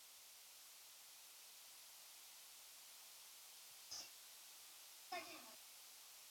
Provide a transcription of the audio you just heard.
维沙芬是德国下萨克森州的一个市镇。